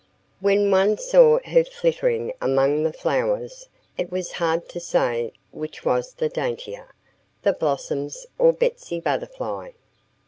When one saw her flittering among the flowers it was hard to say which was the daintier the blossoms or Betsy Butterfly.